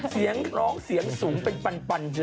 เสียงร้องเสียงสูงเป็นปัน